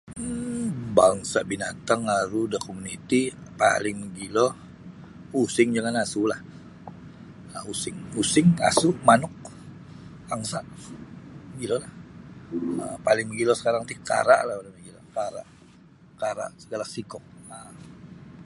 um bangsa binatang aru da komuniti paling mogilo using jangan asulah um using using asu manuk angsa mogilolah paling mogilo sekarang ti kara karalah paling mogilo kara sagala sikok.